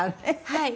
はい。